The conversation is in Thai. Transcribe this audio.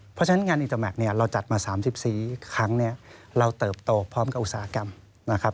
เพราะฉะนั้นงานอินเตอร์แมคเนี่ยเราจัดมา๓๔ครั้งเนี่ยเราเติบโตพร้อมกับอุตสาหกรรมนะครับ